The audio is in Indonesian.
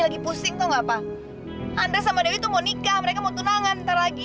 lagi pusing tahu enggak pak anda sama dewi tuh mau nikah mereka mau tunangan terlagi